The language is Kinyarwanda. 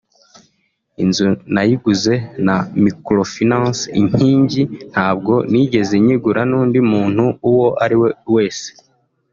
Inzu nayigurishijwe na Microfinance Inkingi ntabwo nigeze nyigura n’undi muntu uwo ari we wese